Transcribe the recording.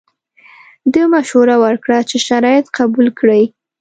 ده مشوره ورکړه چې شرایط قبول کړي.